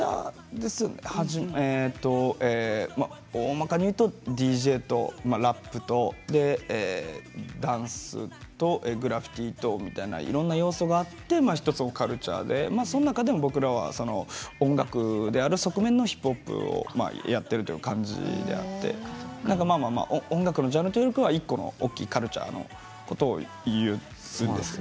もともと音楽というかカルチャーですねＤＪとラップとダンスとグラフィティーといろんな要素があって１つのカルチャーでその中でも僕らは音楽である側面のヒップホップをやっているという感じでやって音楽のジャンルというよりは１個の大きなカルチャーのことを言うんです